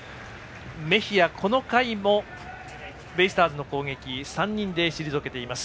メヒア、この回もベイスターズの攻撃３人で退けています。